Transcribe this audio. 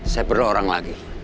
saya perlu orang lagi